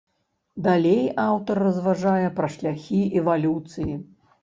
Далей аўтар разважае пра шляхі эвалюцыі.